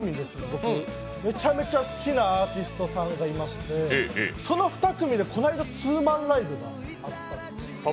もう大好きで、もうひと組僕、めちゃめちゃ好きなアーティストさんがいましてその２組でこの間、ツーマンライブがあったんです。